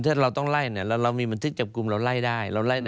ถ้าเราต้องไล่เรามีบันทึกจับกลุ่มเราไล่ได้